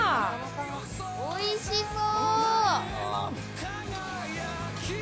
おいしそう！